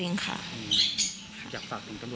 อยากฝากกับกันทรวจแบบไหนบ้าง